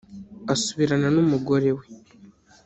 asubirana n’umugore we